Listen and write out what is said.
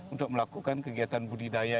untuk melakukan kegiatan budidaya